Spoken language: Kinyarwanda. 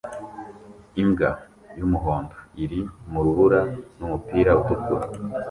Imbwa y'umuhondo iri mu rubura n'umupira utukura